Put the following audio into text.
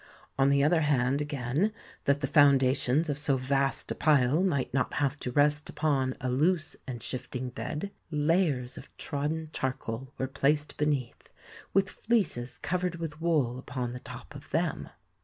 On the other hand, again, that the foundations of so vast a pile might not have to rest upon a loose and shifting bed, layers of trodden charcoal were placed beneath, with fleeces covered with wool upon the top of them.